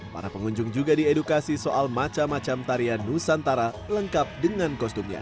para pengunjung juga diedukasi soal macam macam tarian nusantara lengkap dengan kostumnya